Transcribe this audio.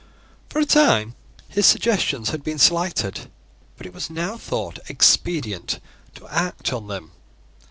For a time his suggestions had been slighted; but it was now thought expedient to act on them.